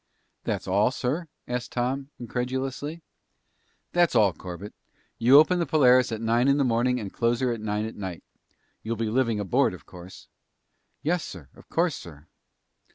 "That's all, sir?" asked Tom incredulously. "That's all, Corbett. You open the Polaris at nine in the morning and close her at nine at night. You'll be living aboard, of course." "Yes, sir. Of course, sir."